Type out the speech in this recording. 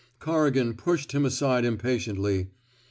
Corrigan pushed him aside impatiently.